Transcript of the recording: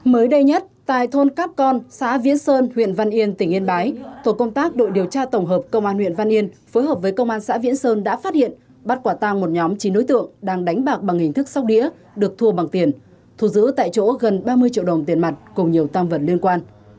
mới đây nhất tại thôn cáp con xã viễn sơn huyện văn yên tỉnh yên bái tổ công tác đội điều tra tổng hợp công an huyện văn yên phối hợp với công an xã viễn sơn đã phát hiện bắt quả tang một nhóm chín đối tượng đang đánh bạc bằng hình thức sóc đĩa được thua bằng tiền thù giữ tại chỗ gần ba mươi triệu đồng tiền mặt cùng nhiều tam vật liên quan